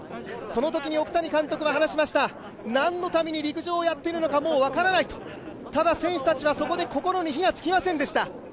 そのときに奥谷監督は話しました、何のために陸上をやっているのか分からない、ただ、選手たちはそこで心に火がつきませんでした。